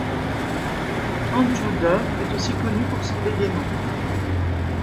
Andrew Duff est aussi connu pour son bégaiement.